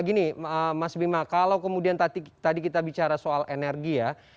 gini mas bima kalau kemudian tadi kita bicara soal energi ya